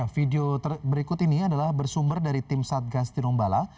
video berikut ini adalah bersumber dari tim satgas tirumbala